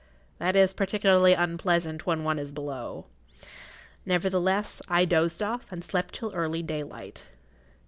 That is particularly unpleasant when one is below. Nevertheless I dozed off and slept till early daylight.